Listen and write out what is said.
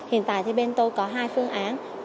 hiện tại thì bên tôi có hai phương án